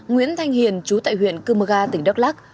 nguyễn thanh hiền chú tại huyện cư mơ ga tỉnh đắk lắc